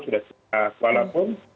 sudah siap walaupun